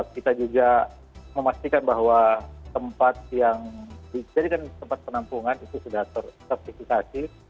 kita juga memastikan bahwa tempat yang dijadikan tempat penampungan itu sudah tersertifikasi